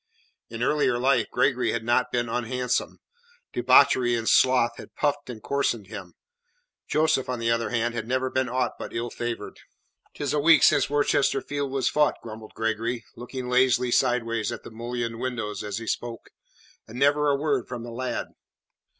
In earlier life Gregory had not been unhandsome; debauchery and sloth had puffed and coarsened him. Joseph, on the other hand, had never been aught but ill favoured. "Tis a week since Worcester field was fought," grumbled Gregory, looking lazily sideways at the mullioned windows as he spoke, "and never a word from the lad."